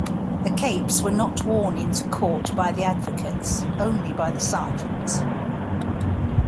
The capes were not worn into court by the advocates, only by the serjeants.